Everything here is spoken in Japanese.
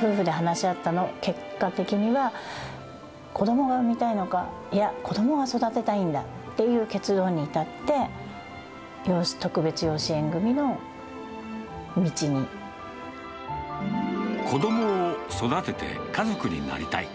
夫婦で話し合った結果的には、子どもが産みたいのか、いや、子どもを育てたいんだという結論に至って、子どもを育てて家族になりたい。